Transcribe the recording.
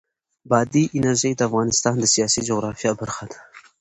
بادي انرژي د افغانستان د سیاسي جغرافیه برخه ده.